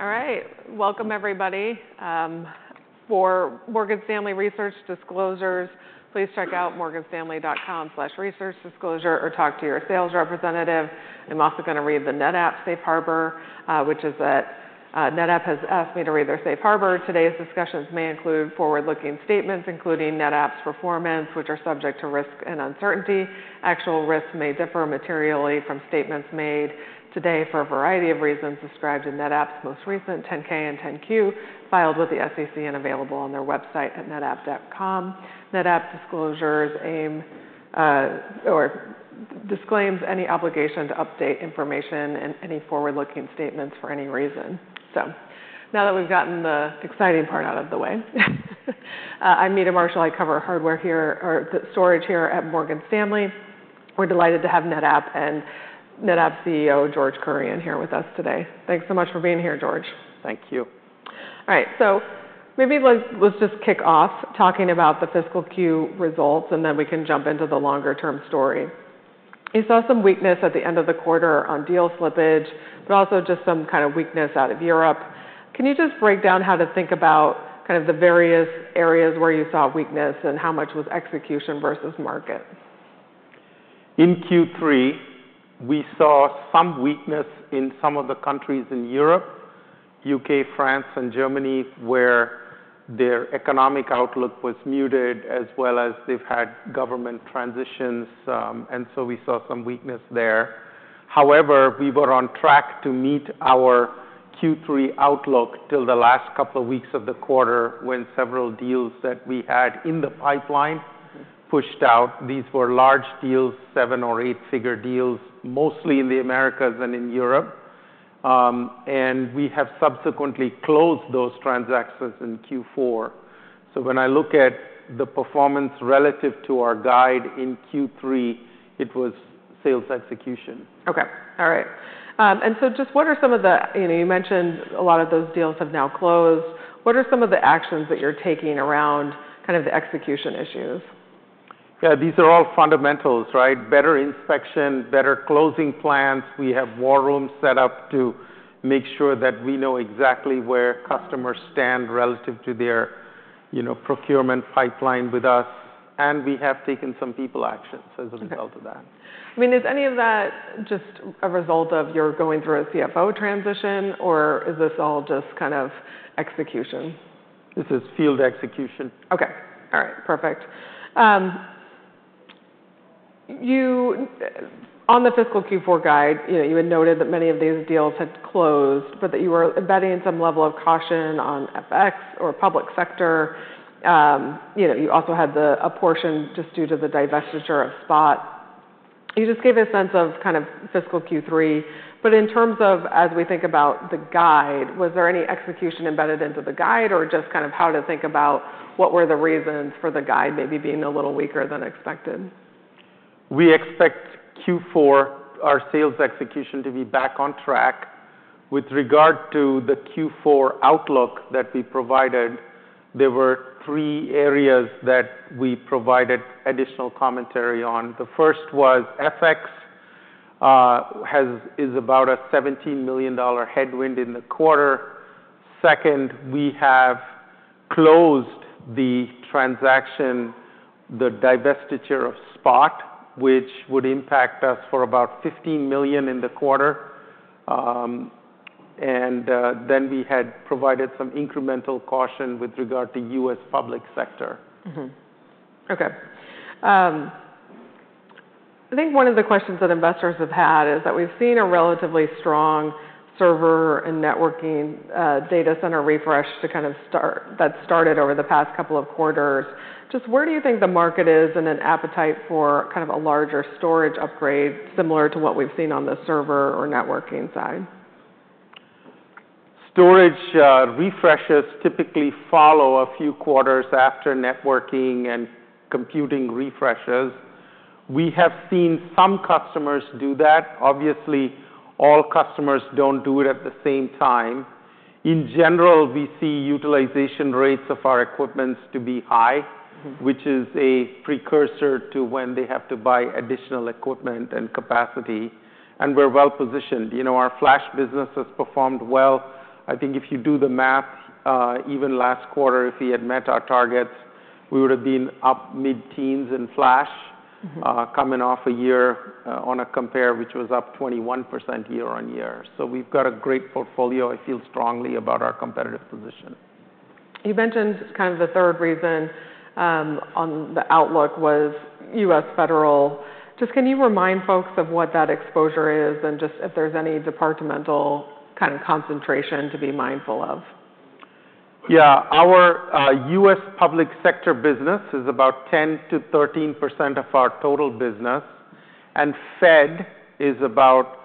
All right, welcome everybody. For Morgan Stanley Research Disclosures, please check out morganstanley.com/researchdisclosure or talk to your sales representative. I'm also going to read the NetApp safe harbor, which is that NetApp has asked me to read their safe harbor. Today's discussions may include forward-looking statements, including NetApp's performance, which are subject to risk and uncertainty. Actual risks may differ materially from statements made today for a variety of reasons described in NetApp's most recent 10-K and 10-Q, filed with the SEC and available on their website at netapp.com. NetApp disclaims any obligation to update information and any forward-looking statements for any reason. So now that we've gotten the exciting part out of the way, I'm Meta Marshall. I cover hardware here or storage here at Morgan Stanley. We're delighted to have NetApp and NetApp CEO George Kurian here with us today. Thanks so much for being here, George. Thank you. All right, so maybe let's just kick off talking about the fiscal Q results, and then we can jump into the longer-term story. You saw some weakness at the end of the quarter on deal slippage, but also just some kind of weakness out of Europe. Can you just break down how to think about kind of the various areas where you saw weakness and how much was execution versus market? In Q3, we saw some weakness in some of the countries in Europe, U.K., France, and Germany, where their economic outlook was muted, as well as they've had government transitions, and so we saw some weakness there. However, we were on track to meet our Q3 outlook till the last couple of weeks of the quarter when several deals that we had in the pipeline pushed out. These were large deals, seven or eight-figure deals, mostly in the Americas and in Europe, and we have subsequently closed those transactions in Q4, so when I look at the performance relative to our guide in Q3, it was sales execution. Okay, all right, and so just what are some of the, you know, you mentioned a lot of those deals have now closed? What are some of the actions that you're taking around kind of the execution issues? Yeah, these are all fundamentals, right? Better inspection, better closing plans. We have war rooms set up to make sure that we know exactly where customers stand relative to their procurement pipeline with us. And we have taken some people actions as a result of that. I mean, is any of that just a result of your going through a CFO transition, or is this all just kind of execution? This is field execution. Okay, all right, perfect. You, on the fiscal Q4 guide, you had noted that many of these deals had closed, but that you were embedding some level of caution on FX or public sector. You also had a portion just due to the divestiture of Spot. You just gave a sense of kind of fiscal Q3. But in terms of, as we think about the guide, was there any execution embedded into the guide or just kind of how to think about what were the reasons for the guide maybe being a little weaker than expected? We expect Q4, our sales execution to be back on track. With regard to the Q4 outlook that we provided, there were three areas that we provided additional commentary on. The first was FX is about a $17 million headwind in the quarter. Second, we have closed the transaction, the divestiture of Spot, which would impact us for about $15 million in the quarter. And then we had provided some incremental caution with regard to U.S. public sector. Okay. I think one of the questions that investors have had is that we've seen a relatively strong server and networking data center refresh that started over the past couple of quarters. Just where do you think the market is with an appetite for kind of a larger storage upgrade similar to what we've seen on the server or networking side? Storage refreshes typically follow a few quarters after networking and computing refreshes. We have seen some customers do that. Obviously, all customers don't do it at the same time. In general, we see utilization rates of our equipment to be high, which is a precursor to when they have to buy additional equipment and capacity, and we're well positioned. You know, our flash business has performed well. I think if you do the math, even last quarter, if we had met our targets, we would have been up mid-teens in flash, coming off a year on a compare, which was up 21% year on year, so we've got a great portfolio. I feel strongly about our competitive position. You mentioned kind of the third reason on the outlook was U.S. federal. Just can you remind folks of what that exposure is and just if there's any departmental kind of concentration to be mindful of? Yeah, our U.S. public sector business is about 10%-13% of our total business, and Fed is about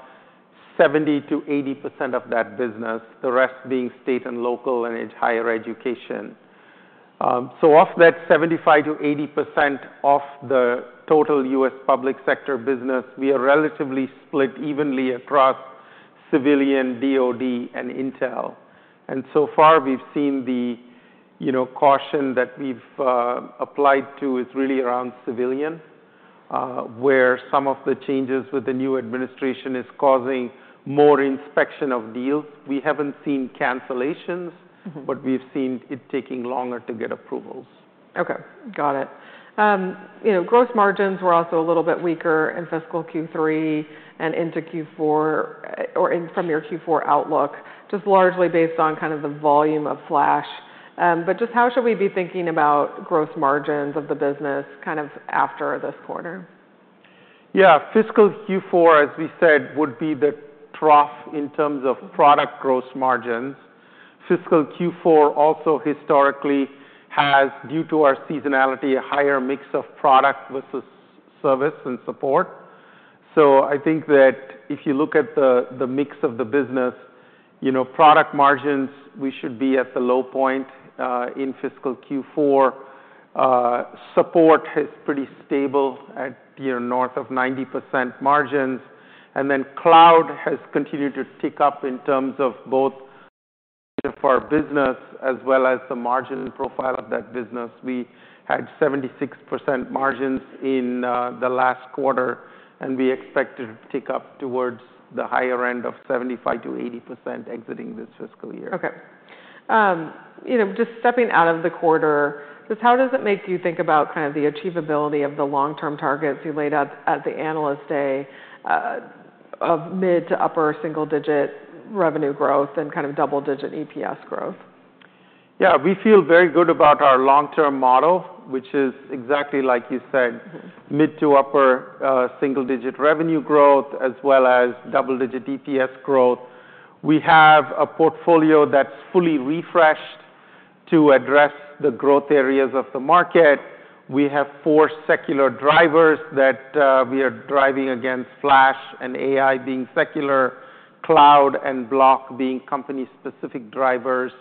70%-80% of that business, the rest being state and local and higher education. So off that 75%-80% of the total U.S. public sector business, we are relatively split evenly across civilian, DOD, and Intel. And so far, we've seen the caution that we've applied to is really around civilian, where some of the changes with the new administration are causing more inspection of deals. We haven't seen cancellations, but we've seen it taking longer to get approvals. Okay, got it. You know, gross margins were also a little bit weaker in fiscal Q3 and into Q4 or from your Q4 outlook, just largely based on kind of the volume of flash. But just how should we be thinking about gross margins of the business kind of after this quarter? Yeah, fiscal Q4, as we said, would be the trough in terms of product gross margins. Fiscal Q4 also historically has, due to our seasonality, a higher mix of product versus service and support, so I think that if you look at the mix of the business, you know, product margins, we should be at the low point in fiscal Q4. Support is pretty stable at north of 90% margins, and then cloud has continued to tick up in terms of both of our business as well as the margin profile of that business. We had 76% margins in the last quarter, and we expect it to tick up towards the higher end of 75%-80% exiting this fiscal year. Okay. You know, just stepping out of the quarter, just how does it make you think about kind of the achievability of the long-term targets you laid out at the Analyst Day of mid- to upper single-digit revenue growth and kind of double-digit EPS growth? Yeah, we feel very good about our long-term model, which is exactly like you said, mid to upper single-digit revenue growth as well as double-digit EPS growth. We have a portfolio that's fully refreshed to address the growth areas of the market. We have four secular drivers that we are driving against: flash and AI being secular, cloud and block being company-specific drivers.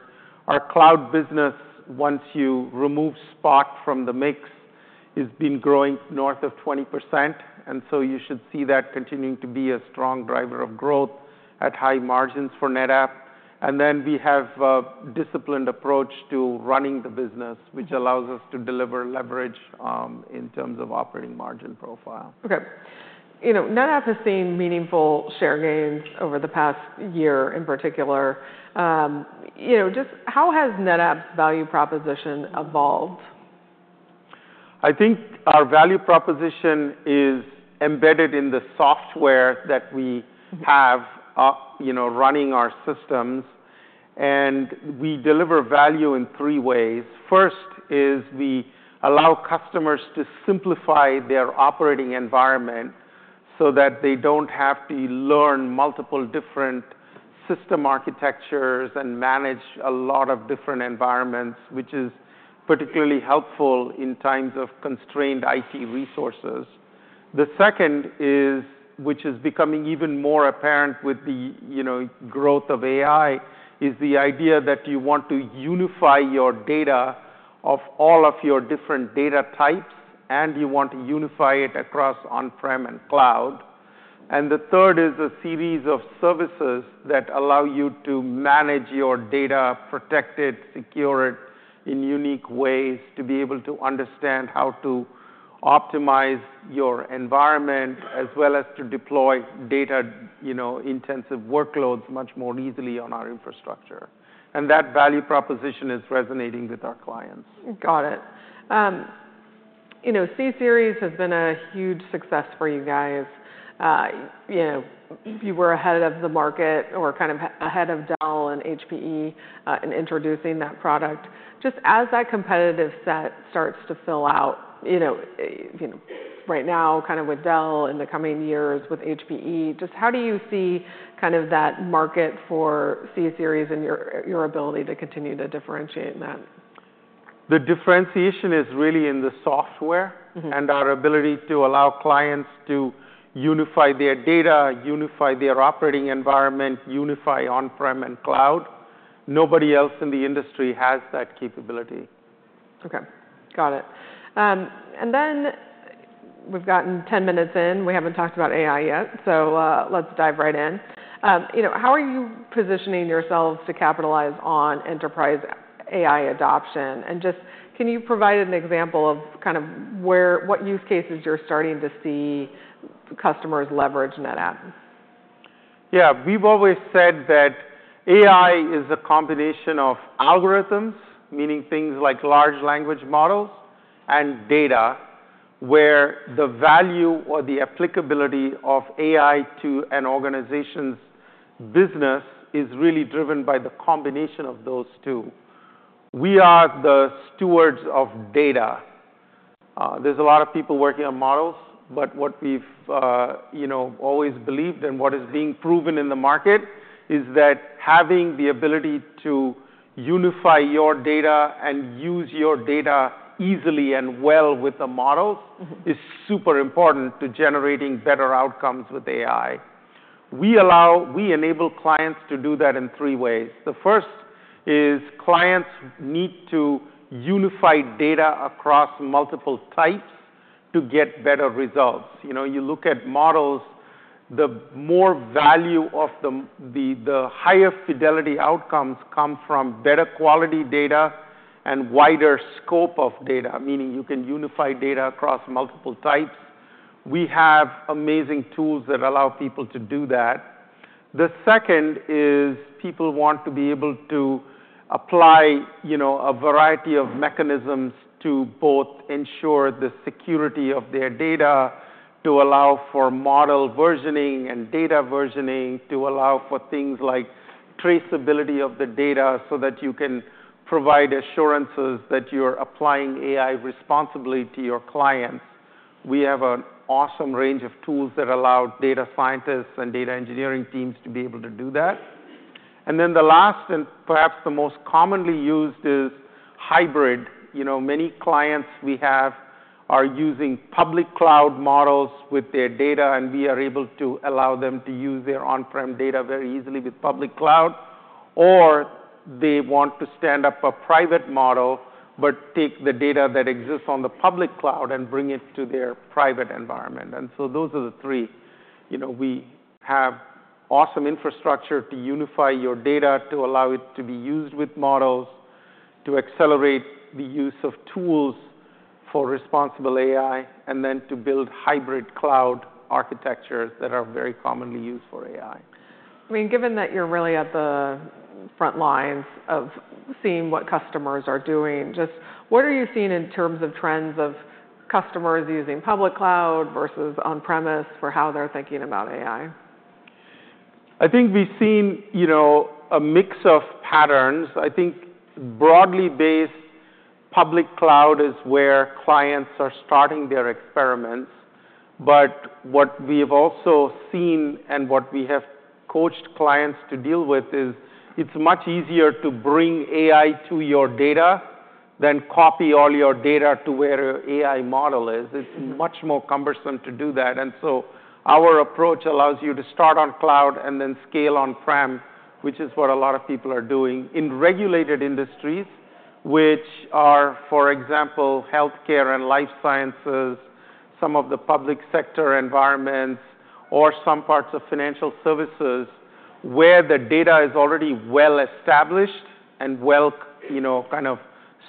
Our cloud business, once you remove Spot from the mix, has been growing north of 20%. And so you should see that continuing to be a strong driver of growth at high margins for NetApp. And then we have a disciplined approach to running the business, which allows us to deliver leverage in terms of operating margin profile. Okay. You know, NetApp has seen meaningful share gains over the past year in particular. You know, just how has NetApp's value proposition evolved? I think our value proposition is embedded in the software that we have, you know, running our systems. And we deliver value in three ways. First is we allow customers to simplify their operating environment so that they don't have to learn multiple different system architectures and manage a lot of different environments, which is particularly helpful in times of constrained IT resources. The second is, which is becoming even more apparent with the growth of AI, is the idea that you want to unify your data of all of your different data types, and you want to unify it across on-prem and cloud. And the third is a series of services that allow you to manage your data, protect it, secure it in unique ways to be able to understand how to optimize your environment, as well as to deploy data-intensive workloads much more easily on our infrastructure. That value proposition is resonating with our clients. Got it. You know, C-Series has been a huge success for you guys. You know, you were ahead of the market or kind of ahead of Dell and HPE in introducing that product. Just as that competitive set starts to fill out, you know, right now kind of with Dell in the coming years with HPE, just how do you see kind of that market for C-Series and your ability to continue to differentiate in that? The differentiation is really in the software and our ability to allow clients to unify their data, unify their operating environment, unify on-prem and cloud. Nobody else in the industry has that capability. Okay, got it. And then we've gotten 10 minutes in. We haven't talked about AI yet, so let's dive right in. You know, how are you positioning yourselves to capitalize on enterprise AI adoption? And just can you provide an example of kind of what use cases you're starting to see customers leverage NetApp? Yeah, we've always said that AI is a combination of algorithms, meaning things like large language models and data, where the value or the applicability of AI to an organization's business is really driven by the combination of those two. We are the stewards of data. There's a lot of people working on models, but what we've always believed and what is being proven in the market is that having the ability to unify your data and use your data easily and well with the models is super important to generating better outcomes with AI. We enable clients to do that in three ways. The first is clients need to unify data across multiple types to get better results. You know, you look at models, the more value of the higher fidelity outcomes come from better quality data and wider scope of data, meaning you can unify data across multiple types. We have amazing tools that allow people to do that. The second is people want to be able to apply a variety of mechanisms to both ensure the security of their data, to allow for model versioning and data versioning, to allow for things like traceability of the data so that you can provide assurances that you're applying AI responsibly to your clients. We have an awesome range of tools that allow data scientists and data engineering teams to be able to do that. And then the last and perhaps the most commonly used is hybrid. You know, many clients we have are using public cloud models with their data, and we are able to allow them to use their on-prem data very easily with public cloud, or they want to stand up a private model but take the data that exists on the public cloud and bring it to their private environment. And so those are the three. You know, we have awesome infrastructure to unify your data to allow it to be used with models, to accelerate the use of tools for responsible AI, and then to build hybrid cloud architectures that are very commonly used for AI. I mean, given that you're really at the front lines of seeing what customers are doing, just what are you seeing in terms of trends of customers using public cloud versus on-premise for how they're thinking about AI? I think we've seen, you know, a mix of patterns. I think broadly based public cloud is where clients are starting their experiments. But what we have also seen and what we have coached clients to deal with is it's much easier to bring AI to your data than copy all your data to where your AI model is. It's much more cumbersome to do that. And so our approach allows you to start on cloud and then scale on-prem, which is what a lot of people are doing in regulated industries, which are, for example, healthcare and life sciences, some of the public sector environments, or some parts of financial services where the data is already well established and well, you know, kind of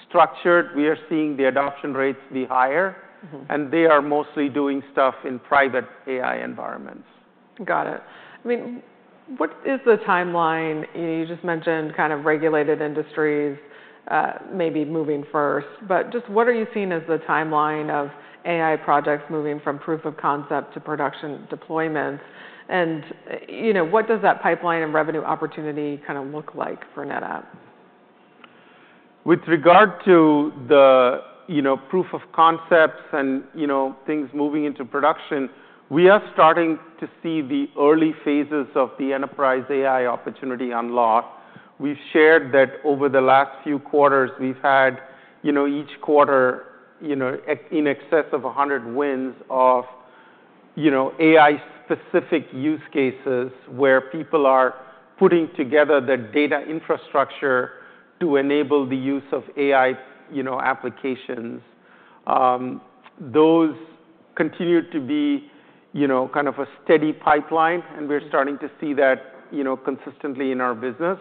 structured. We are seeing the adoption rates be higher, and they are mostly doing stuff in private AI environments. Got it. I mean, what is the timeline? You just mentioned kind of regulated industries maybe moving first, but just what are you seeing as the timeline of AI projects moving from proof of concept to production deployments? And you know, what does that pipeline and revenue opportunity kind of look like for NetApp? With regard to the proof of concepts and things moving into production, we are starting to see the early phases of the enterprise AI opportunity unlock. We've shared that over the last few quarters, we've had, you know, each quarter, you know, in excess of 100 wins of, you know, AI-specific use cases where people are putting together the data infrastructure to enable the use of AI applications. Those continue to be, you know, kind of a steady pipeline, and we're starting to see that, you know, consistently in our business.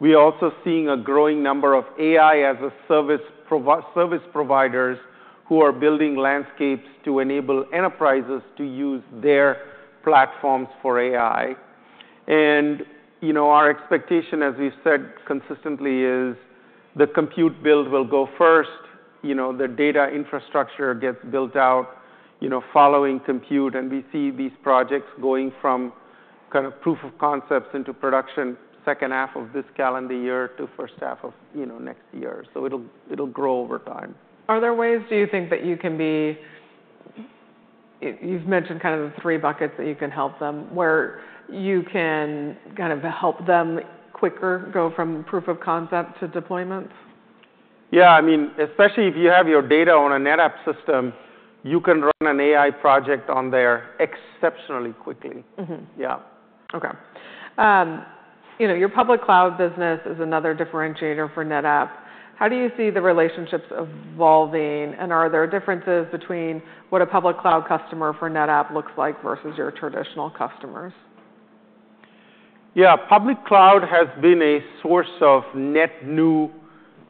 We are also seeing a growing number of AI-as-a-service providers who are building landscapes to enable enterprises to use their platforms for AI. And, you know, our expectation, as we've said consistently, is the compute build will go first. You know, the data infrastructure gets built out, you know, following compute, and we see these projects going from kind of proof of concepts into production second half of this calendar year to first half of next year. So it'll grow over time. Are there ways, do you think, that you can be, you've mentioned kind of the three buckets that you can help them where you can kind of help them quicker go from proof of concept to deployments? Yeah, I mean, especially if you have your data on a NetApp system, you can run an AI project on there exceptionally quickly. Yeah. Okay. You know, your public cloud business is another differentiator for NetApp. How do you see the relationships evolving, and are there differences between what a public cloud customer for NetApp looks like versus your traditional customers? Yeah, public cloud has been a source of net new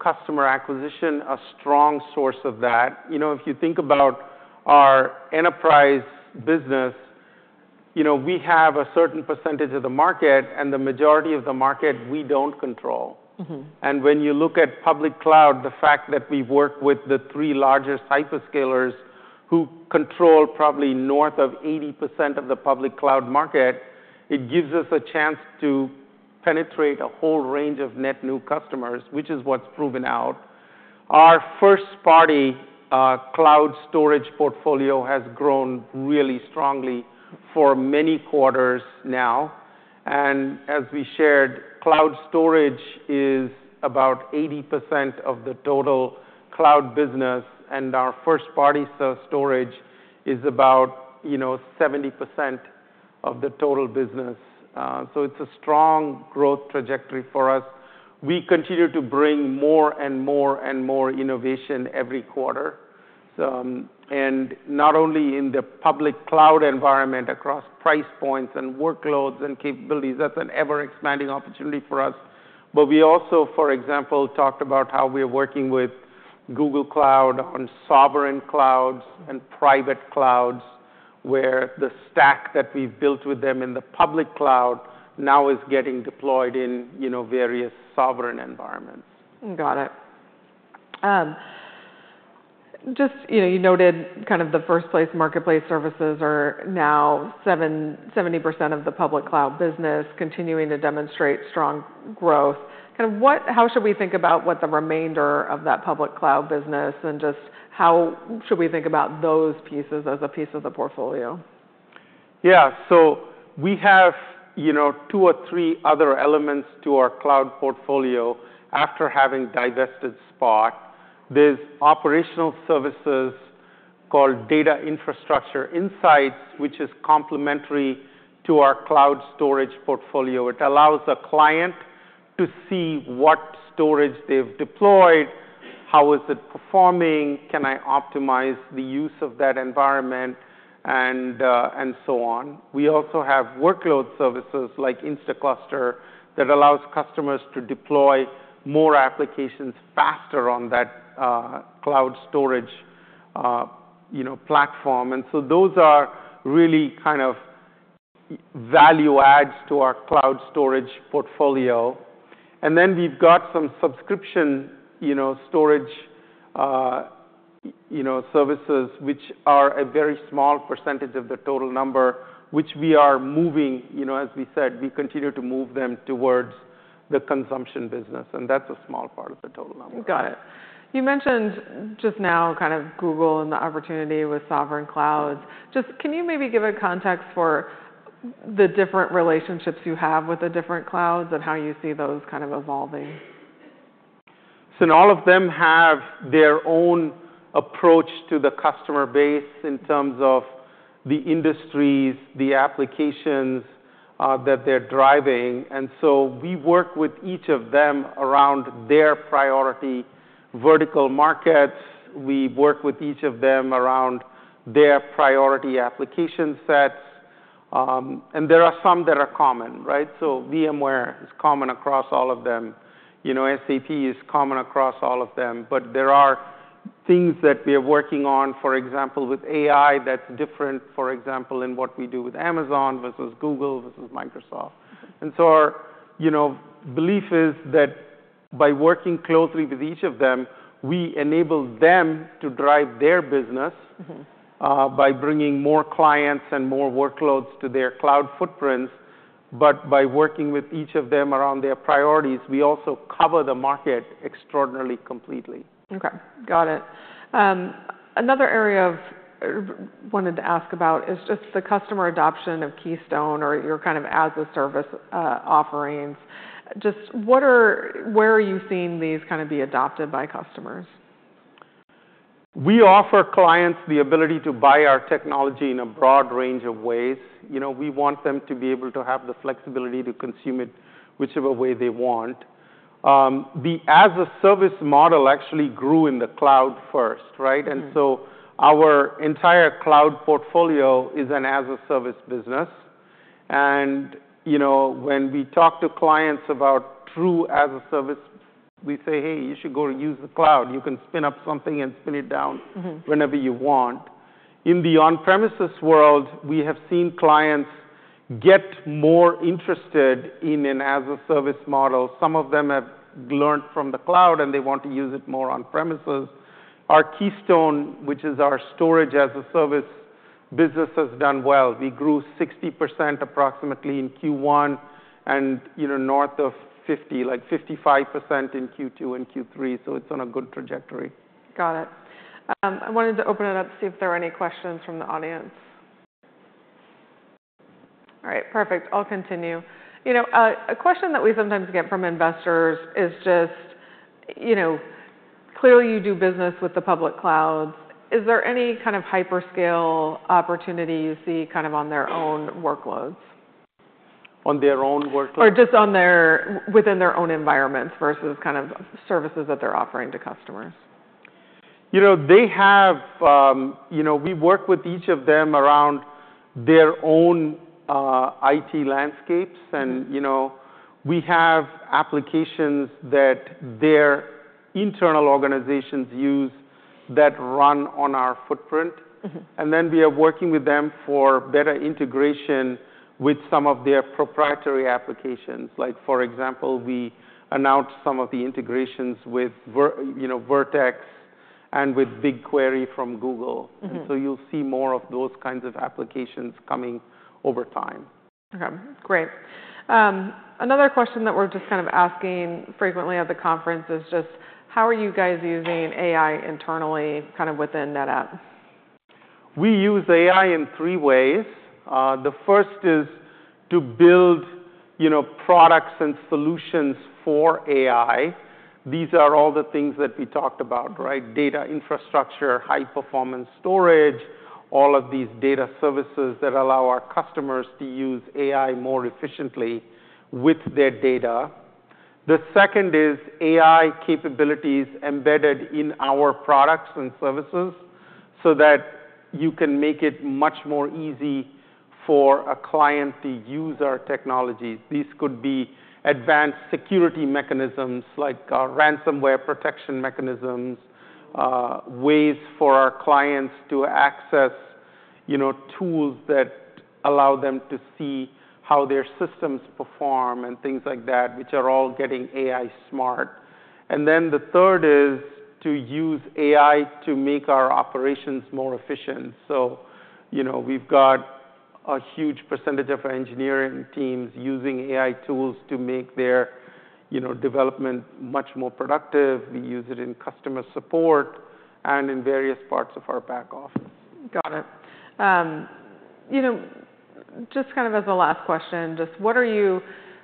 customer acquisition, a strong source of that. You know, if you think about our enterprise business, you know, we have a certain percentage of the market, and the majority of the market we don't control. And when you look at public cloud, the fact that we work with the three largest hyperscalers who control probably north of 80% of the public cloud market, it gives us a chance to penetrate a whole range of net new customers, which is what's proven out. Our first-party cloud storage portfolio has grown really strongly for many quarters now. And as we shared, cloud storage is about 80% of the total cloud business, and our first-party storage is about, you know, 70% of the total business. So it's a strong growth trajectory for us. We continue to bring more and more and more innovation every quarter, and not only in the public cloud environment across price points and workloads and capabilities, that's an ever-expanding opportunity for us, but we also, for example, talked about how we are working with Google Cloud on sovereign clouds and private clouds, where the stack that we've built with them in the public cloud now is getting deployed in, you know, various sovereign environments. Got it. Just, you know, you noted kind of the first-place marketplace services are now 70% of the public cloud business, continuing to demonstrate strong growth. Kind of how should we think about what the remainder of that public cloud business, and just how should we think about those pieces as a piece of the portfolio? Yeah, so we have, you know, two or three other elements to our cloud portfolio after having divested Spot. There's operational services called Data Infrastructure Insights, which is complementary to our cloud storage portfolio. It allows a client to see what storage they've deployed, how is it performing, can I optimize the use of that environment, and so on. We also have workload services like Instaclustr that allows customers to deploy more applications faster on that cloud storage, you know, platform. And so those are really kind of value adds to our cloud storage portfolio. And then we've got some subscription, you know, storage, you know, services, which are a very small percentage of the total number, which we are moving, you know, as we said, we continue to move them towards the consumption business, and that's a small part of the total number. Got it. You mentioned just now kind of Google and the opportunity with sovereign clouds. Just can you maybe give a context for the different relationships you have with the different clouds and how you see those kind of evolving? So all of them have their own approach to the customer base in terms of the industries, the applications that they're driving. And so we work with each of them around their priority vertical markets. We work with each of them around their priority application sets. And there are some that are common, right? So VMware is common across all of them. You know, SAP is common across all of them. But there are things that we are working on, for example, with AI that's different, for example, in what we do with Amazon versus Google versus Microsoft. And so our, you know, belief is that by working closely with each of them, we enable them to drive their business by bringing more clients and more workloads to their cloud footprints. But by working with each of them around their priorities, we also cover the market extraordinarily completely. Okay, got it. Another area I wanted to ask about is just the customer adoption of Keystone or your kind of as-a-service offerings. Just what are, where are you seeing these kind of be adopted by customers? We offer clients the ability to buy our technology in a broad range of ways. You know, we want them to be able to have the flexibility to consume it whichever way they want. The as-a-service model actually grew in the cloud first, right, and so our entire cloud portfolio is an as-a-service business, and, you know, when we talk to clients about true as-a-service, we say, "Hey, you should go use the cloud. You can spin up something and spin it down whenever you want." In the on-premises world, we have seen clients get more interested in an as-a-service model. Some of them have learned from the cloud, and they want to use it more on-premises. Our Keystone, which is our storage as-a-service business, has done well. We grew 60% approximately in Q1 and, you know, north of 50, like 55% in Q2 and Q3. It's on a good trajectory. Got it. I wanted to open it up to see if there are any questions from the audience. All right, perfect. I'll continue. You know, a question that we sometimes get from investors is just, you know, clearly you do business with the public clouds. Is there any kind of hyperscale opportunity you see kind of on their own workloads? On their own workloads? Or just on their, within their own environments versus kind of services that they're offering to customers. You know, they have, you know, we work with each of them around their own IT landscapes. And, you know, we have applications that their internal organizations use that run on our footprint. And then we are working with them for better integration with some of their proprietary applications. Like, for example, we announced some of the integrations with, you know, Vertex and with BigQuery from Google. And so you'll see more of those kinds of applications coming over time. Okay, great. Another question that we're just kind of asking frequently at the conference is just how are you guys using AI internally kind of within NetApp? We use AI in three ways. The first is to build, you know, products and solutions for AI. These are all the things that we talked about, right? Data infrastructure, high-performance storage, all of these data services that allow our customers to use AI more efficiently with their data. The second is AI capabilities embedded in our products and services so that you can make it much more easy for a client to use our technologies. These could be advanced security mechanisms like ransomware protection mechanisms, ways for our clients to access, you know, tools that allow them to see how their systems perform and things like that, which are all getting AI smart. And then the third is to use AI to make our operations more efficient. So, you know, we've got a huge percentage of our engineering teams using AI tools to make their, you know, development much more productive. We use it in customer support and in various parts of our back office. Got it. You know, just kind of as a last question, just what are you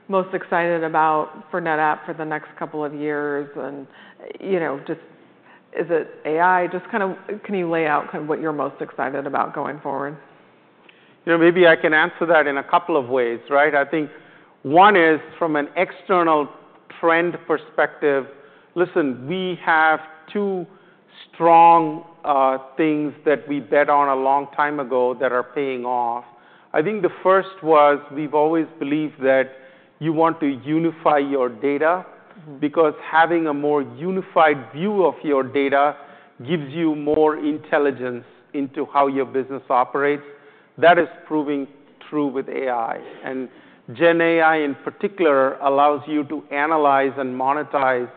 most excited about for NetApp for the next couple of years? And, you know, just is it AI? Just kind of can you lay out kind of what you're most excited about going forward? You know, maybe I can answer that in a couple of ways, right? I think one is from an external trend perspective, listen, we have two strong things that we bet on a long time ago that are paying off. I think the first was we've always believed that you want to unify your data because having a more unified view of your data gives you more intelligence into how your business operates. That is proving true with AI. And GenAI in particular allows you to analyze and monetize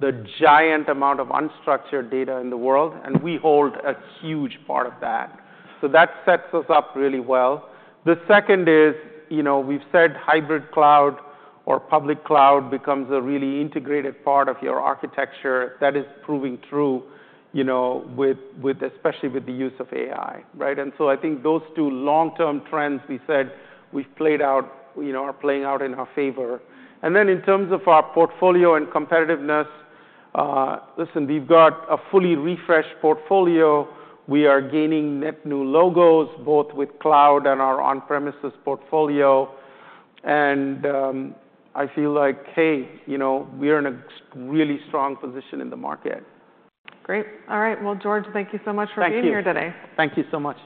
the giant amount of unstructured data in the world, and we hold a huge part of that. So that sets us up really well. The second is, you know, we've said hybrid cloud or public cloud becomes a really integrated part of your architecture. That is proving true, you know, especially with the use of AI, right? I think those two long-term trends we said we've played out, you know, are playing out in our favor. In terms of our portfolio and competitiveness, listen, we've got a fully refreshed portfolio. We are gaining net new logos both with cloud and our on-premises portfolio. I feel like, hey, you know, we're in a really strong position in the market. Great. All right, well, George, thank you so much for being here today. Thank you. Thank you so much.